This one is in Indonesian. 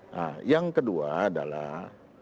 nah yang kedua adalah